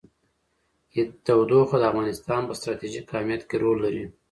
تودوخه د افغانستان په ستراتیژیک اهمیت کې رول لري.